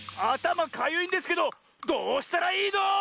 「あたまかゆいんですけどどうしたらいいの⁉」。